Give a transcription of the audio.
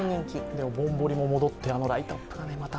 でもぼんぼりも戻ってライトアップがまた。